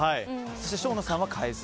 そして生野さんは変えず。